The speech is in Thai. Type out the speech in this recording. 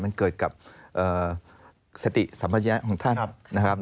มันเกิดกับสติสัมพัญญะของท่านนะครับ